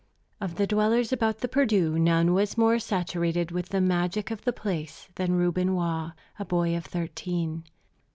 Of the dwellers about the Perdu none was more saturated with the magic of the place than Reuben Waugh, a boy of thirteen.